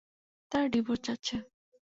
তারা ডিভোর্স চাচ্ছে।